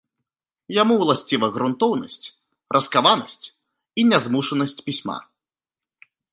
Яму ўласціва грунтоўнасць, раскаванасць і нязмушанасць пісьма.